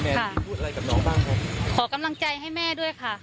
พูดอะไรกับน้องบ้างครับขอกำลังใจให้แม่ด้วยค่ะ